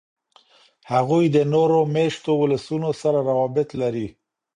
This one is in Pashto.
هغوی د نورو میشتو ولسونو سره روابط لري.